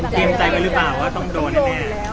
เตรียมใจไปหรือเปล่าต้องโดนได้แน่